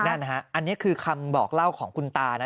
นั่นนะฮะอันนี้คือคำบอกเล่าของคุณตานะ